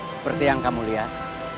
seperti yang kamu lihat